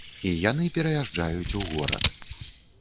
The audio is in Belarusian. І яны пераязджаюць у горад.